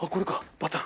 バタン。